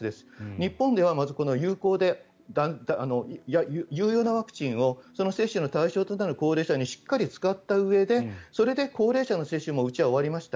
日本ではまず有用なワクチンをその接種の対象となる高齢者にしっかり使ったうえでそれで、高齢者の接種もうちは終わりました。